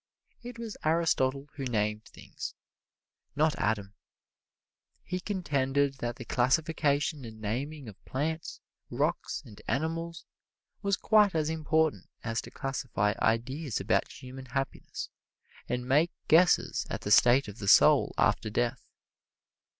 It was Aristotle who named things, not Adam. He contended that the classification and naming of plants, rocks and animals was quite as important as to classify ideas about human happiness and make guesses at the state of the soul after death.